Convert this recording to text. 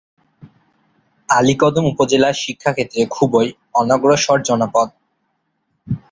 আলীকদম উপজেলা শিক্ষাক্ষেত্রে খুবই অনগ্রসর জনপদ।